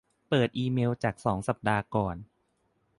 เปิดอีเมลจากสองสัปดาห์ก่อน